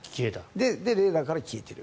で、レーダーから消えている。